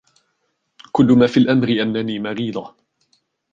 كل ما في الأمر أنني مريضة